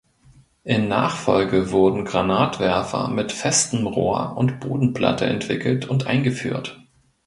In Nachfolge wurden Granatwerfer mit festem Rohr und Bodenplatte entwickelt und eingeführt.